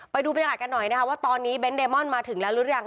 ไปดูบรรยากาศกันหน่อยนะคะว่าตอนนี้เบนทเดมอนมาถึงแล้วหรือยัง